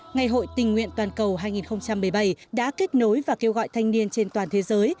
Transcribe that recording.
ngày hội tình nguyện toàn cầu hai nghìn một mươi bảy đã kết nối và kêu gọi thanh niên trên toàn thế giới